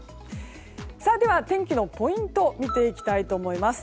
では、天気のポイントを見ていきたいと思います。